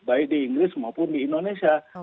baik di inggris maupun di indonesia